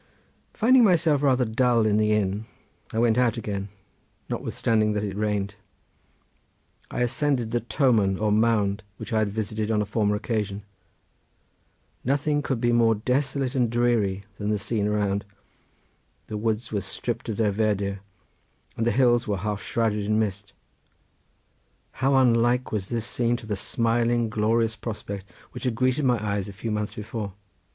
Finding myself rather dull in the inn I went out again notwithstanding that it rained. I ascended the toman or mound which I had visited on a former occasion. Nothing could be more desolate and dreary than the scene around. The woods were stript of their verdure and the hills were half shrouded in mist. How unlike was this scene to the smiling, glorious prospect which had greeted my eyes a few months before.